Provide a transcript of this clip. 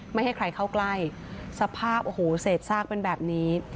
ไม่ให้ใครเข้าใกล้สภาพเสร็จซากเป็นแบบนี้